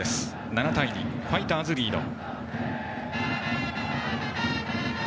７対２でファイターズリード。